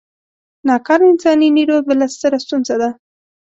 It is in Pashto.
نا کاره انساني نیرو بله ستره ستونزه ده.